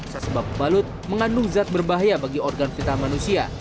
sesebab pembalut mengandung zat berbahaya bagi organ vital manusia